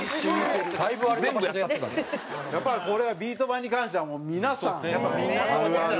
やっぱりこれはビート板に関してはもう皆さんあるある。